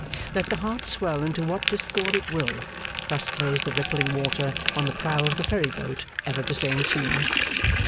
Let the heart swell into what discord it will, thus plays the rippling water on the prow of the ferry boat ever the same tune.